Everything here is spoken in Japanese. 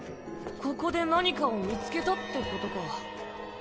ここで何かを見つけたってことか。